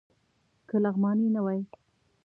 که لغمانی نه وای.